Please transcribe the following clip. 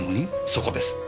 そこです。